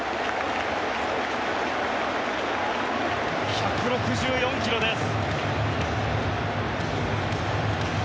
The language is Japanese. １６４キロです。